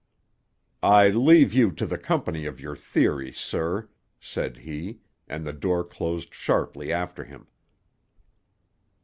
"I leave you to the company of your theory, sir," said he, and the door closed sharply after him.